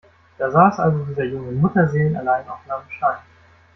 Da saß also dieser Junge mutterseelenallein auf einem Stein.